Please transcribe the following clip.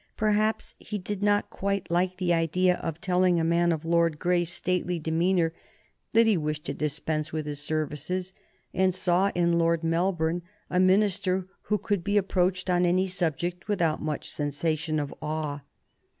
Perhaps he did not quite like the idea of telling a man of Lord Grey's stately demeanor that he wished to dispense with his services and saw in Lord Melbourne a minister who could be approached on any subject without much sensation of awe.